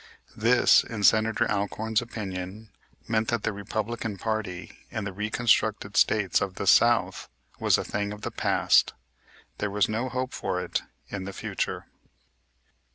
This, in Senator Alcorn's opinion, meant that the Republican party in the reconstructed States of the South was a thing of the past. There was no hope for it in the future.